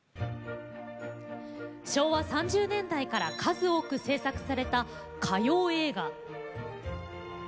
昭和３０年代から数多く製作された歌謡映画。